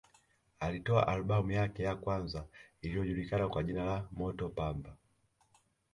Alitoa albamu yake ya kwanza iliyojulikana kwa jina la Moto Pamba